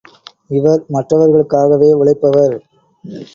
இவர் மற்றவர்களுக்காகவே உழைப்பவர்.